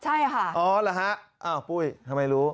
ใช่ค่ะอ๋อเหรอฮะอ้าวปุ้ยทำไมรู้